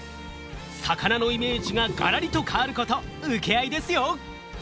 魚のイメージがガラリと変わること請け合いですよ！